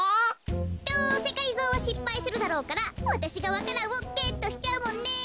どうせがりぞーはしっぱいするだろうからわたしがわか蘭をゲットしちゃうもんね。